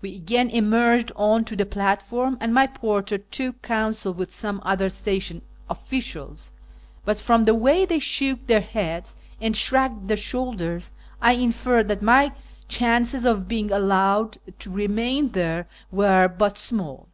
We again emerged on to the platform, and my porter took counsel with some other station officials ; but from the way they shook their heads and shrugged their shoulders I inferred that my chances of being allowed to remain there were but small.